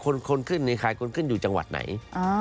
คนขึ้นในขายคนขึ้นอยู่จังหวัดไหน